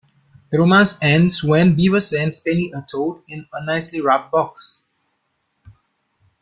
The romance ends when Beaver sends Penny a toad in a nicely wrapped box.